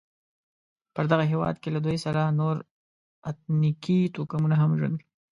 په دغه هېواد کې له دوی سره نور اتنیکي توکمونه هم ژوند کوي.